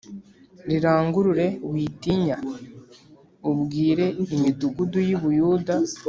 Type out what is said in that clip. Rirangurure witinya ubwire imidugudu y i buyuda